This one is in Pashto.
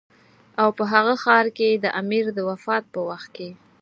او په هغه ښار کې د امیر د وفات په وخت کې.